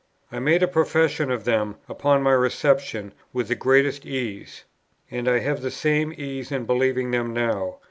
I made a profession of them upon my reception with the greatest ease, and I have the same ease in believing them now.